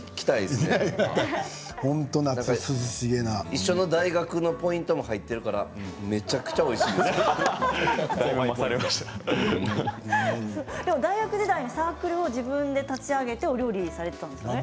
一緒の大学のポイントが入っているのでめちゃくちゃおいしい大学時代にサークルを自分で立ち上げてお料理をされていたんですよね。